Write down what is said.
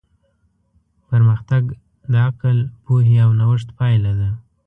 پرمختګ د عقل، پوهې او نوښت پایله ده.